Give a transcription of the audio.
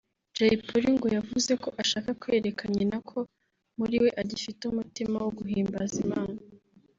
Jay Polly ngo yavuze ko ashaka kwereka nyina ko muri we agifite umutima wo guhimbaza Imana